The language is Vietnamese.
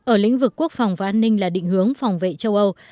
ở lĩnh vực quốc phòng và an ninh là định hướng phòng vệ châu âu